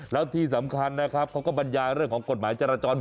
แล้วที่สำคัญนะครับเขาก็บรรยายเรื่องของกฎหมายจราจร